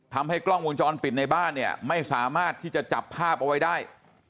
ทำให้กล้องวงจรปิดในบ้านเนี่ยไม่สามารถที่จะจับภาพเอาไว้ได้